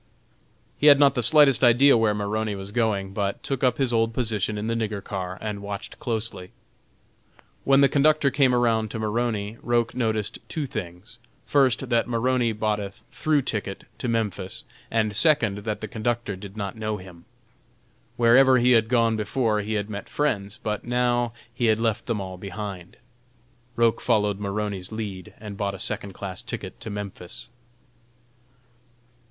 He had not the slightest idea where Maroney was going, but took up his old position in the "nigger car" and watched closely. When the conductor came around to Maroney, Roch noticed two things: first, that Maroney bought a through ticket to Memphis; and second, that the conductor did not know him. Wherever he had gone before, he had met friends, but now he had left them all behind. Roch followed Maroney's lead and bought a second class ticket to Memphis.